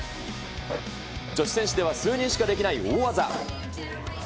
女子選手では数人しかできない大技。